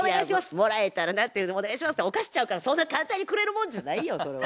「もらえたらな」って「お願いします」ってお菓子ちゃうからそんな簡単にくれるもんじゃないよそれは。